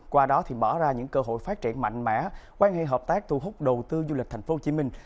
qua đó mở ra những cơ hội phát triển mạnh mẽ quan hệ hợp tác thu hút đầu tư du lịch thành phố hồ chí minh